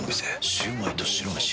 シュウマイと白めし。